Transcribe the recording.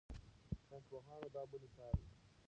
ساینسپوهان دا بڼې څاري.